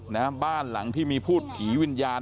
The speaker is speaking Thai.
นะฮะบ้านหลังที่มีพูดผีวิญญาณ